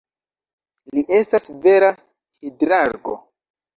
Li estas vera hidrargo.